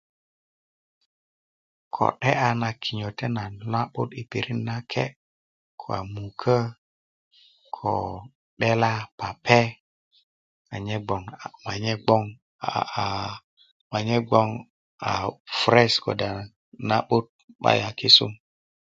Ko 'de'yá na kinyotot na na'but i pirit na kye ko a mukö ko 'dela pape amanyen gboŋ manye gbooŋ manye gboŋ aaa presk kode' aa na 'but 'bayin a kisum